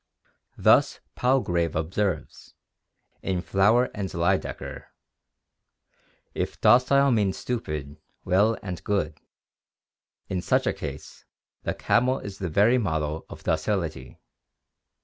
Thus Palgrave observes (in Flower and Lydekker): "If docile means stupid, well and good; in such a case the camel is the very model of docil ity.